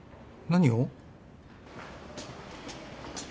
何を？